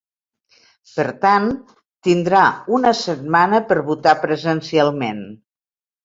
Per tant, tindrà una setmana per votar presencialment.